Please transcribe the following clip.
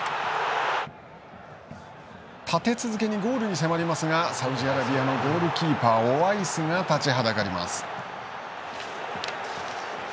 立て続けにゴールに迫りますがサウジアラビアのゴールキーパーオワイスが立ちはだかります。